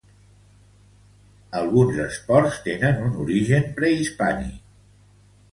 Alguns esports tenen un origen prehispànic.